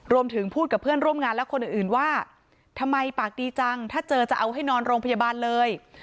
พูดกับเพื่อนร่วมงานและคนอื่นว่าทำไมปากดีจังถ้าเจอจะเอาให้นอนโรงพยาบาลเลย